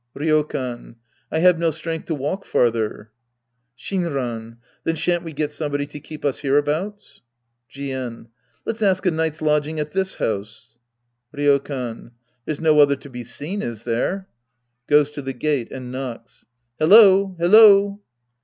Ryokan. I have no strength to walk farther. Shinran. Then shan't we get somebody to keep us hereabouts ? Jien. I.et's ask a night's lodging at tiiis house. Ryokan. There's no other to be seen, is there ? (fioes to the gate and knocks!) Hello ! Hello